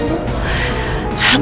umur kamu sudah tidak panjang lagi